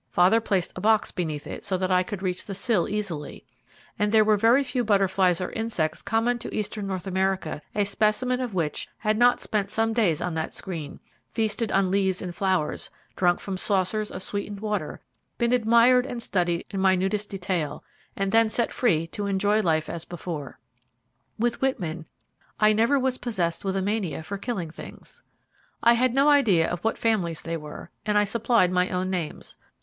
Father placed a box beneath it so that I could reach the sill easily, and there were very few butterflies or insects common to eastern North America a specimen of which had not spent some days on that screen, feasted on leaves and flowers, drunk from saucers of sweetened water, been admired and studied in minutest detail, and then set free to enjoy life as before. With Whitman, "I never was possessed with a mania for killing things." I had no idea of what families they were, and I supplied my own names.